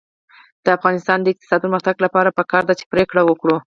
د افغانستان د اقتصادي پرمختګ لپاره پکار ده چې پرېکړه وکړو.